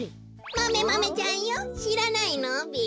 マメマメちゃんよしらないのべ？